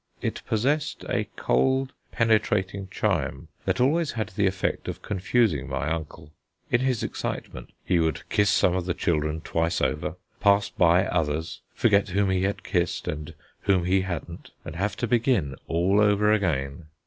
It possessed a cold, penetrating chime that always had the effect of confusing my uncle. In his excitement he would kiss some of the children twice over, pass by others, forget whom he had kissed and whom he hadn't, and have to begin all over again.